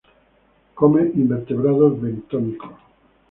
Come invertebrados bentónicos.